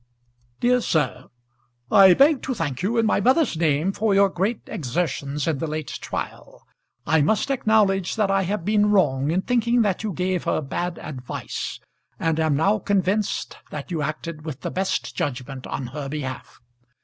DEAR SIR, I beg to thank you, in my mother's name, for your great exertions in the late trial. I must acknowledge that I have been wrong in thinking that you gave her bad advice, and am now convinced that you acted with the best judgment on her behalf.